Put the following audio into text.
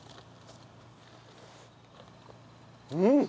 うん！